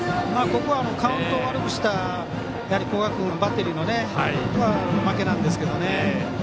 ここはカウントを悪くした古賀君が、バッテリーの負けなんですけどね。